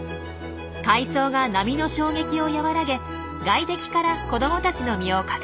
海藻が波の衝撃を和らげ外敵から子どもたちの身を隠してくれます。